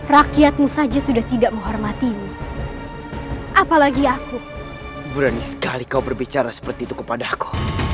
rakyatmu saja sudah tidak menghormatimu apalagi aku berani sekali kau berbicara seperti itu kepadaku